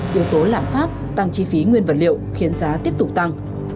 yếu tố lạm phát tăng chi phí nguyên vật liệu khiến giá tiếp tục tăng